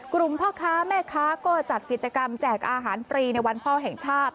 พ่อค้าแม่ค้าก็จัดกิจกรรมแจกอาหารฟรีในวันพ่อแห่งชาติ